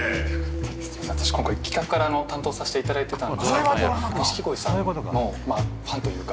私今回企画から担当さしていただいてたんですけども錦鯉さんのファンというか。